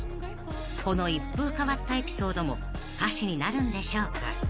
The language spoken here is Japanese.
［この一風変わったエピソードも歌詞になるんでしょうか］